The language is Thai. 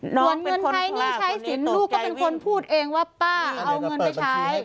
ส่วนเงินใช้หนี้ใช้สินลูกก็เป็นคนพูดเองว่าป้าเอาเงินไปใช้